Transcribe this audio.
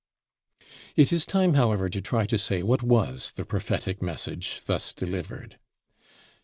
It is time, however, to try to say what was the prophetic message thus delivered.